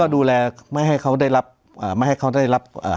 ดูแลไม่ให้เขาได้รับอ่าไม่ให้เขาได้รับ